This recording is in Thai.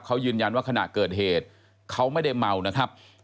เขายืนยันว่าขณะเกิดเหตุเขาไม่ได้เมานะครับ